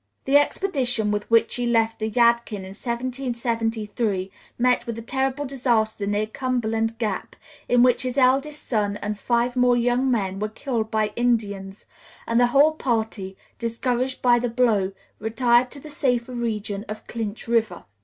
The expedition with which he left the Yadkin in 1773 met with a terrible disaster near Cumberland Gap, in which his eldest son and five more young men were killed by Indians, and the whole party, discouraged by the blow, retired to the safer region of Clinch River.